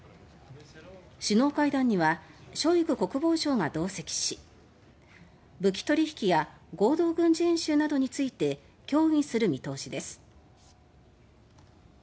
首脳会談にはショイグ国防相が同席し武器取引や合同軍事演習などについて協議する見通しです。